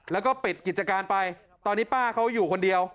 แล้วก็ปิดกิจการไปตอนนี้ป้าเขาอยู่คนเดียว